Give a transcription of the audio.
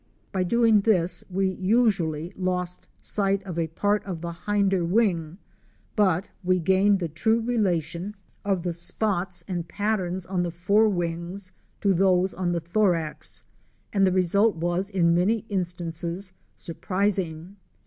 By doing this we usually lost sight of part of the hinder wing, but we gained the true relation of the 212 OUR SEARCH FOR A WILDERNESS. spots and patterns on the fore wings to those on the thorax and the result was in many instances surprising.